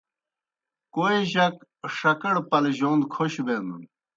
کوئے جک ݜکَڑ پلجون کھوش بینَن۔